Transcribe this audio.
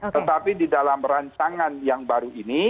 tetapi di dalam rancangan yang baru ini